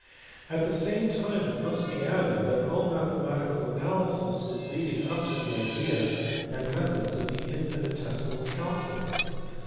At the same time it must be added that all mathematical analysis was leading up to the ideas and methods of the infi nitesimal calculus.